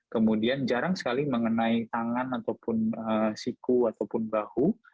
kemudian jarang sekali mengenai tangan ataupun siku ataupun bahu